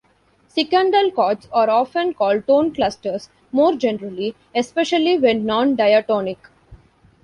Secundal chords are often called tone clusters more generally, especially when non-diatonic.